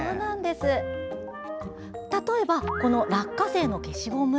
例えば、この落花生の消しゴム。